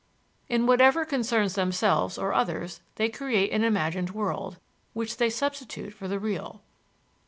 In whatever concerns themselves or others they create an imagined world, which they substitute for the real.